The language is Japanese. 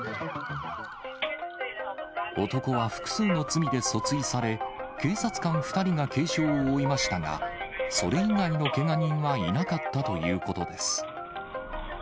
男は複数の罪で訴追され、警察官２人が軽傷を負いましたが、それ以外のけが人はいなかったということです。